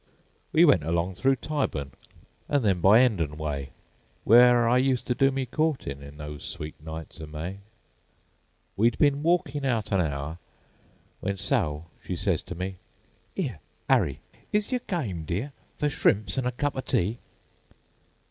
"We went along through Tyburn, An' then by 'Endon way, W'ere I ust ter do me courtin'In those sweet nights o' May.We 'd been walkin' out an 'our, W'en Sal she sez ter me,''Ere, 'Arry, is yer gime, dear, Fer shrimps an' a cup o' tea.